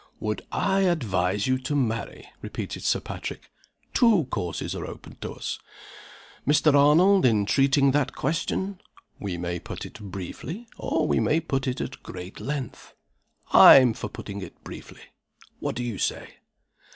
"Would I advise you to marry?" repeated Sir Patrick. "Two courses are open to us, Mr. Arnold, in treating that question. We may put it briefly, or we may put it at great length. I am for putting it briefly. What do you say?"